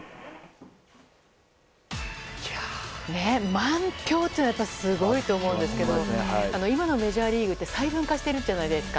満票というのはすごいと思うんですけど今のメジャーリーグって細分化してるじゃないですか。